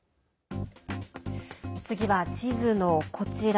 次は地図のこちら